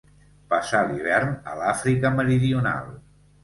Passa l'hivern a l'Àfrica Meridional.